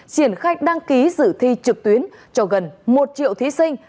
triển khai đăng ký dự thi trực tuyến cho gần một triệu thí sinh